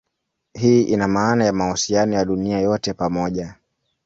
Hii ina maana ya mahusiano ya dunia yote pamoja.